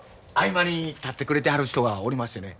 間に立ってくれてはる人がおりましてね